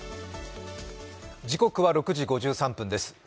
時刻は６時５３分です。